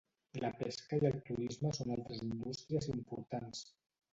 La pesca i el turisme són altres indústries importants.